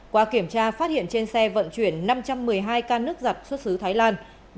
qua kiểm tra phát hiện trên xe vận chuyển năm trăm một mươi hai can nước giặt xuất xứ thái lan